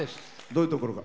どういうところが？